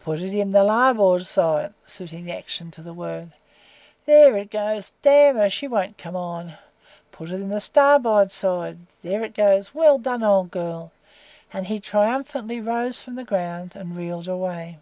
"Put it into the larboard side," (suiting the action to the word), "there it goes damn her, she won't come on! Put it into the starboard side there it goes well done, old girl," and he triumphantly rose from the ground, and reeled away.